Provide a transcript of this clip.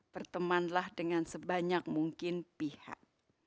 bertemanlah dengan sebanyak mungkin pihak